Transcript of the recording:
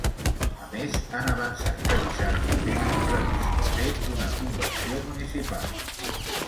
A més, han avançat que dissabte tenen previst de fer una convenció municipal.